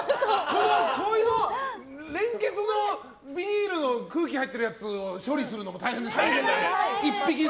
こういう連結のビニールの空気入ってるやつを処理するのも大変ですしね。